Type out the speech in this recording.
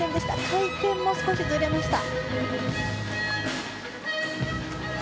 回転も少しずれました。